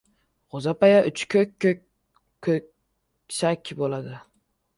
G‘o‘zapoya uchi ko‘k-ko‘k ko‘sak bo‘ladi.